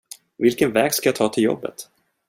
Vilken väg ska jag ta till jobbet?